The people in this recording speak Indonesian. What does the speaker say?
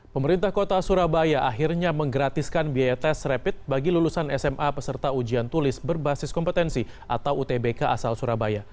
pemerintah kota surabaya akhirnya menggratiskan biaya tes rapid bagi lulusan sma peserta ujian tulis berbasis kompetensi atau utbk asal surabaya